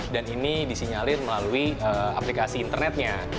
dan ini disinyalir melalui aplikasi internetnya